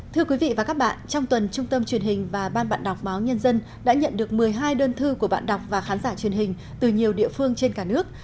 thưa quý vị và các bạn trong tuần trung tâm truyền hình và ban bạn đọc báo nhân dân đã nhận được một mươi hai đơn thư của bạn đọc và khán giả truyền hình từ nhiều địa phương trên cả nước